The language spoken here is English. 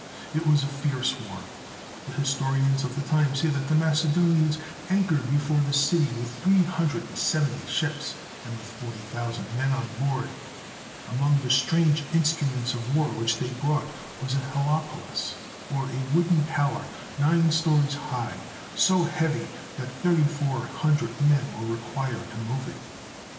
It was a fierce war. The historians of the time say that the Macedonians anchored before the city with three hundred and seventy ships, and with forty thousand men on board. Among the strange instruments of war which they brought was a helopolis, or a wooden tower nine stories high, so heavy that 3400 men were required to move it.